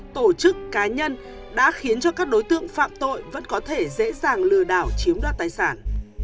tổ chức cá nhân đã khiến cho các đối tượng phạm tội vẫn có thể dễ dàng lừa đảo chiếm đoạt tài sản